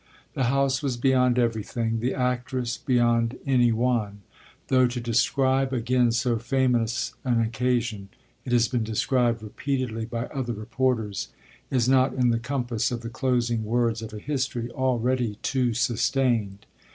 The house was beyond everything, the actress beyond any one; though to describe again so famous an occasion it has been described repeatedly by other reporters is not in the compass of the closing words of a history already too sustained.